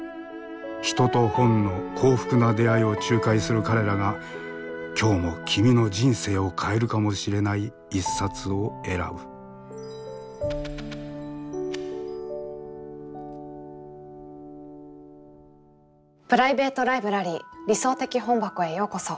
人と本の幸福な出会いを仲介する彼らが今日も君の人生を変えるかもしれない一冊を選ぶプライベート・ライブラリー「理想的本箱」へようこそ。